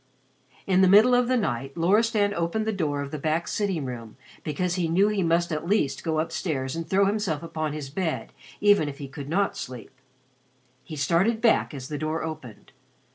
In the middle of the night Loristan opened the door of the back sitting room, because he knew he must at least go upstairs and throw himself upon his bed even if he could not sleep. He started back as the door opened.